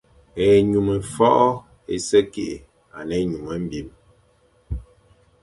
Ényum fôʼô é se kig a ne ényum mbim.